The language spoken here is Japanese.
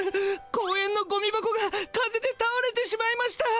公園のゴミ箱が風でたおれてしまいました。